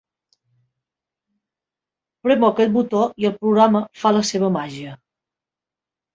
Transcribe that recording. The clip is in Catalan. Premo aquest botó i el programa fa la seva màgia.